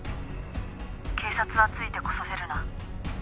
「警察はついてこさせるな」